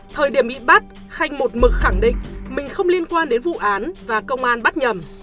thời điểm bị bắt khanh một mực khẳng định mình không liên quan đến vụ án và công an bắt nhầm